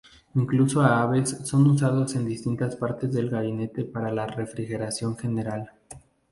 Incluso a veces son usados en distintas partes del gabinete para una refrigeración general.